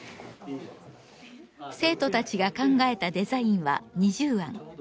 生徒たちが考えたデザインは２０案。